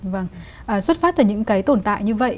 vâng xuất phát từ những cái tồn tại như vậy